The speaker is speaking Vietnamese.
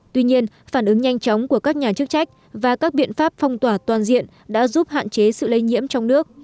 tuy nhiên phản ứng nhanh chóng của các nhà chức trách và các biện pháp phong tỏa toàn diện đã giúp hạn chế sự lây nhiễm trong nước